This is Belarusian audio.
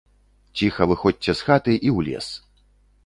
Ціха выходзьце з хаты і ў лес.